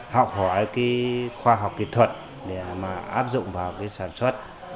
học hỏi khoa học kỹ thuật để áp dụng vào sản xuất